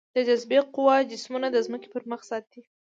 د جاذبې قوه جسمونه د ځمکې پر مخ ساتي.